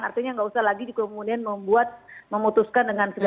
artinya nggak usah lagi kemudian membuat memutuskan dengan gitu